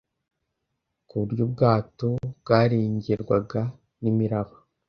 ku buryo ubwato bwarengerwaga n imiraba